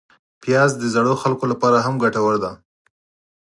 پیاز د زړو خلکو لپاره هم ګټور دی